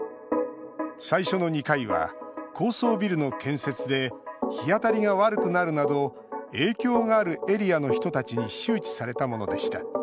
最初の２回は高層ビルの建設で日当たりが悪くなるなど影響があるエリアの人たちに周知されたものでした。